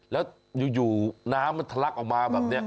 แล้วอยู่น้ำมันทะลักออกมาแบบนี้